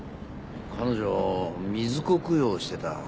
彼女水子供養をしてた。